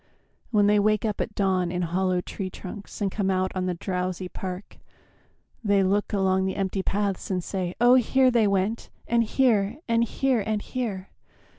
When they wake up at dawn in hollow tree trunks And come out on the drowsy park, they look Along the empty paths and say, "Oh, here They went, and here, and here, and here!